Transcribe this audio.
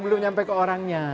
belum nyampe ke orangnya